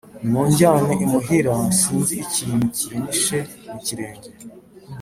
Nimunjyane imuhira, sinzi ikintu kinyishe mu kirenge